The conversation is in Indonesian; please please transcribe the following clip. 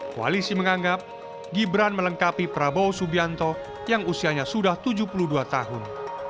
koalisi menganggap gibran melengkapi prabowo subianto yang usianya sudah tujuh puluh dua tahun